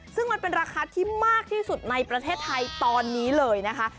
ซึ่งมันเป็นราคาที่มากที่สุดในประเทศไทยตอนนี้เลยนะคะ